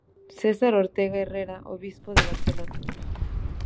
Cesar Ortega Herrera, Obispo de Barcelona.